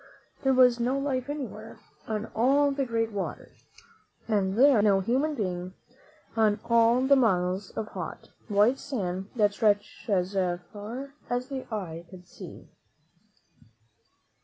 There was no life anywhere on all the great water, and there was no human being on all the miles of hot, white sand that stretched away as far as the eye could see.